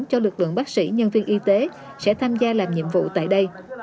cho lực lượng bác sĩ nhân viên y tế sẽ tham gia làm nhiệm vụ tại đây